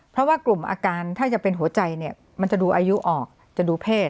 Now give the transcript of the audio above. เพราะว่ากลุ่มอาการถ้าจะเป็นหัวใจเนี่ยมันจะดูอายุออกจะดูเพศ